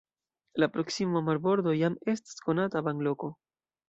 La proksima marbordo jam estas konata banloko.